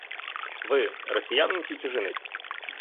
Ви — росіянин чи чужинець?